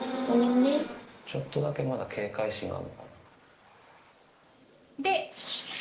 ちょっとだけまだ警戒心があんのかな。